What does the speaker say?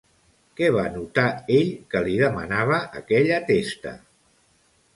Què va notar ell que li demanava aquella testa?